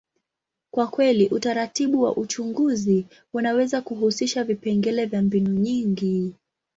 kwa kweli, utaratibu wa uchunguzi unaweza kuhusisha vipengele vya mbinu nyingi.